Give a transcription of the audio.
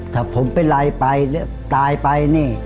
ถ้าผมเป็นไรไปแล้วตายไปนี่